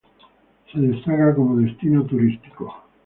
Se destaca como destino turístico.